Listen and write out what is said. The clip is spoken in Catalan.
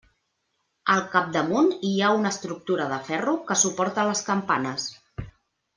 Al capdamunt hi ha una estructura de ferro que suporta les campanes.